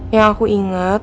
yang aku inget